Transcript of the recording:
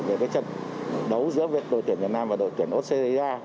về trận đấu giữa đội tuyển việt nam và đội tuyển úc xây ra